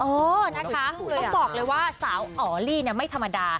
โอ้ต้องบอกเลยว่าสาวอ๋อลี่ไม่ธรรมดา